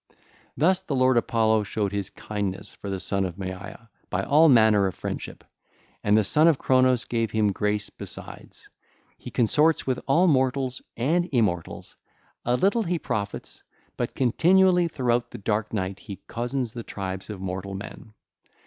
(ll. 574 578) Thus the lord Apollo showed his kindness for the Son of Maia by all manner of friendship: and the Son of Cronos gave him grace besides. He consorts with all mortals and immortals: a little he profits, but continually throughout the dark night he cozens the tribes of mortal men.